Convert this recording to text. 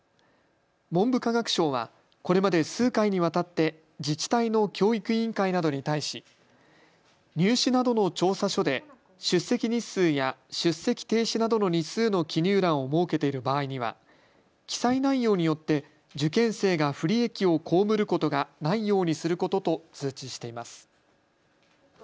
文部科学省はこれまで数回にわたって自治体の教育委員会などに対し入試などの調査書で出席日数や出席停止などの日数の記入欄を設けている場合には記載内容によって受験生が不利益を被ることがないようにすることと通知しています。